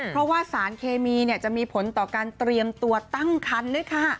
เพราะว่าสารเคมีจะมีผลต่อการเตรียมตัวตั้งคันด้วยค่ะ